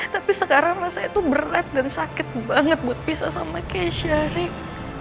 tapi sekarang rasanya tuh berat dan sakit banget buat pisah sama ke sharing